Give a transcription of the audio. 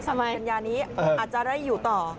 ทำไมสำหรับกัญญานี้อาจจะได้อยู่ต่อ